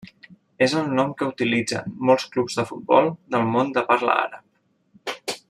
És el nom que utilitzen molts clubs de futbol del món de parla àrab.